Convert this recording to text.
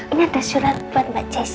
ini ada surat buat mbak ces